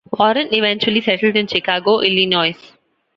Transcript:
Warren eventually settled in Chicago, Illinois.